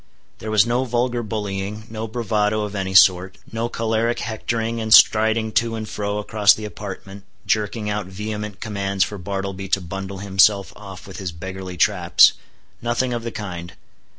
There was no vulgar bullying, no bravado of any sort, no choleric hectoring, and striding to and fro across the apartment, jerking out vehement commands for Bartleby to bundle himself off with his beggarly traps. Nothing of the kind.